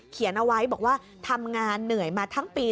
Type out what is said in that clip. เขียนเอาไว้บอกว่าทำงานเหนื่อยมาทั้งปี